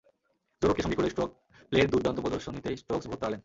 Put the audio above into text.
জো রুটকে সঙ্গী করে স্ট্রোক প্লের দুর্দান্ত প্রদর্শনীতেই স্টোকস ভূত তাড়ালেন।